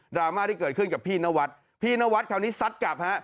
ราม่าที่เกิดขึ้นกับพี่นวัดพี่นวัดคราวนี้ซัดกลับฮะ